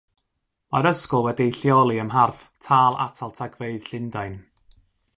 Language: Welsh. Mae'r Ysgol wedi'i lleoli ym mharth Tâl Atal Tagfeydd Llundain.